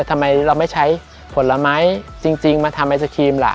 ทำไมเราไม่ใช้ผลไม้จริงมาทำไอศครีมล่ะ